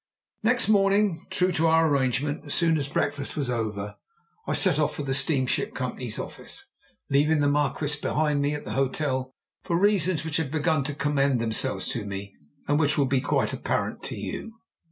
Next morning, true to our arrangement, as soon as breakfast was over, I set off for the steamship company's office, leaving the Marquis behind me at the hotel for reasons which had begun to commend themselves to me, and which will be quite apparent to you.